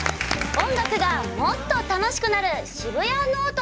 音楽がもっと楽しくなる「シブヤノオト」。